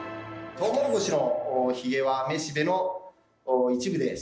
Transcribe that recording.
トウモロコシのヒゲはめしべの一部です。